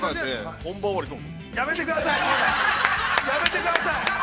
◆やめてください。